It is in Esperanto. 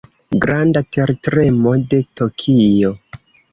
Granda tertremo de Tokio.